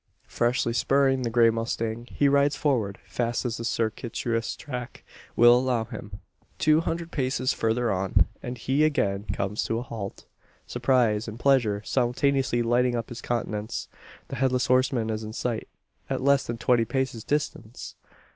Freshly spurring the grey mustang, he rides forward fast as the circuitous track will allow him. Two hundred paces further on, and he again comes to a halt surprise and pleasure simultaneously lighting up his countenance. The Headless Horseman is in sight, at less than twenty paces' distance!